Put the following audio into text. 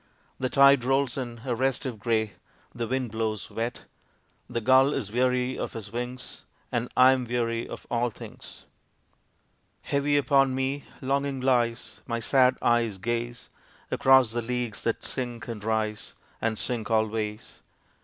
The tide rolls in a restive gray, The wind blows wet. The gull is weary of his wings, And I am weary of all things. Heavy upon me longing lies, My sad eyes gaze Across the leagues that sink and rise And sink always.